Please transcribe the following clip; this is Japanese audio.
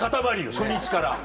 初日から。